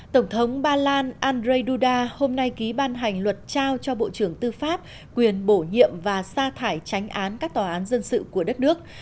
tổng thống ba lan andrzej duda hôm nay ký ban hành luật trao cho bộ trưởng tư pháp quyền bổ nhiệm và sa thải tránh án các tòa án dân sự của đất nước